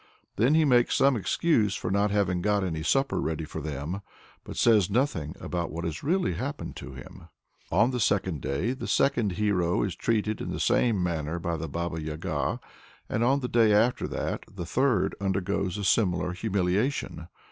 Then he makes some excuse for not having got any supper ready for them, but says nothing about what has really happened to him. On the next day the second hero is treated in the same manner by the Baba Yaga, and on the day after that the third undergoes a similar humiliation.